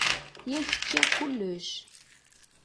Yak ččiɣ kulec.